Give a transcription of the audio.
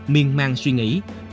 miên mang suy nghĩ